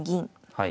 はい。